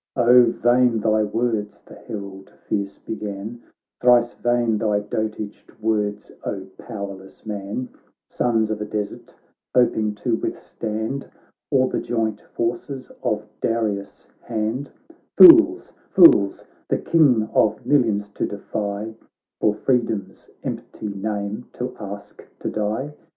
' Oh ! vain thy words,' the herald fierce began ; 'Thrice vain thy dotaged words, O powerless man, Sons of a desert, hoping to withstand All the joint forces of Darius' hand ; Fools, fools, the King of millions to defy, For freedom's empty name to ask to die